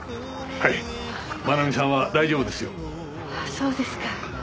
そうですか。